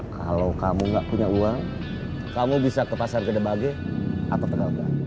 kalau kamu gak punya uang kamu bisa ke pasar gede bage atau tegalga